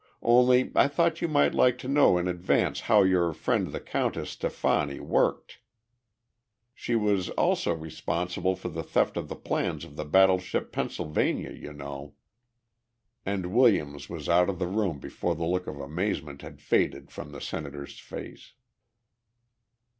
Only I thought you might like to know in advance how your friend the Countess Stefani worked. She was also responsible for the theft of the plans of the battleship Pennsylvania, you know." And Williams was out of the room before the look of amazement had faded from the Senator's face.